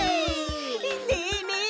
ねえねえ